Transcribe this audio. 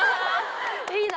いいな。